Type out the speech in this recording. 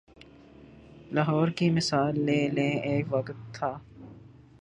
لاہور کی مثال لے لیں، ایک وقت تھا۔